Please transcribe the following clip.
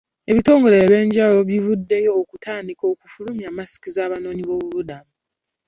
Ebitongole eby'enjawulo bivuddeyo okutandika okufulumya masiki z'abanoonyi b'obubudamu.